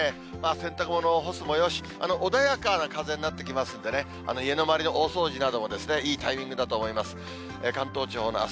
洗濯物を干すもよし、穏やかな風になってきますんでね、家の周りの大掃除などもね、いいタイミングだと思います。